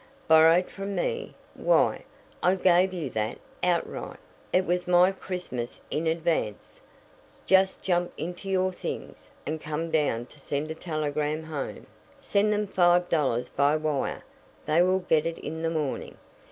"Borrowed from me? Why, I gave you that outright. It was my Christmas in advance. Just jump into your things, and come down to send a telegram home. Send them five dollars by wire they will get it in the morning.